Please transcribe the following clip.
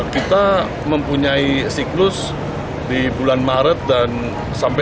kita mempunyai siklus di bulan maret sampai bulan juni